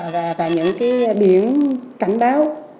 và những biển cảnh báo